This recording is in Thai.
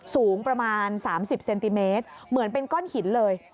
สูงประมาณ๓๐เซนติเมตรเหมือนเป็นก้อนหินเลย